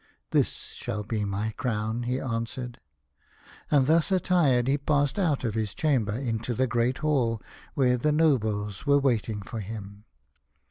" This shall be my crown," he answered. And thus attired he passed out of his chamber into the Great Hall, where the nobles were waiting for him.